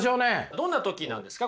どんな時なんですか？